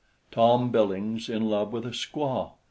Tom Billings in love with a squaw!